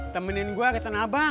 temenin gue ke tanah abang